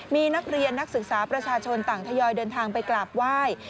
มีนักเรียนนักศึกษาประชาชนต่างทยอยเดินทางไปกราบไหว้